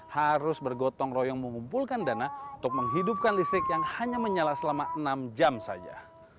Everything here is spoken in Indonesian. harus bergotong royong mengumpulkan dana untuk menghidupkan listrik yang hanya menyala selama enam jam saja